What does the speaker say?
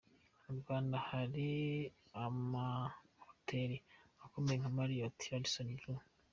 Mu Rwanda hari amahoteli akomeye nka Marriott, Radisson Blu.